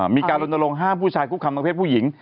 มีการโดนตรงห้ามผู้ชายคุกคามทางเพศผู้หญิง